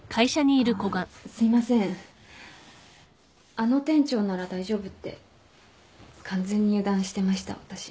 あの店長なら大丈夫って完全に油断してました私。